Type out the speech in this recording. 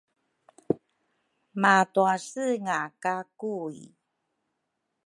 matuasenga ka Kui.